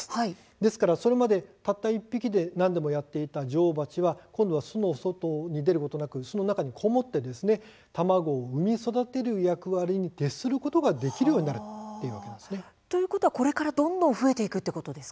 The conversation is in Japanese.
ですから、それまでたった１匹でなんでもやっていた女王蜂は今度は巣の外に出ることがなく巣の中にこもって卵を産み育てる役割に徹することができるようにということはこれからどんどん増えていくということですか。